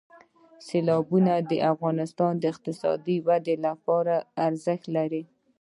سیلابونه د افغانستان د اقتصادي ودې لپاره ارزښت لري.